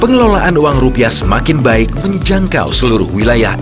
pengelolaan uang rupiah semakin baik menjangkau seluruh wilayah